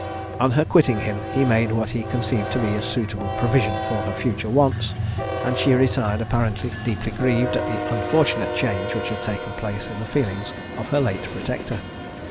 On her quitting him, he made what he conceived to be a suitable provision for her future wants, and she retired apparently deeply grieved at the unfortunate change which had taken place in the feelings of her late protector.